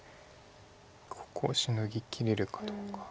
ここをシノぎきれるかどうか。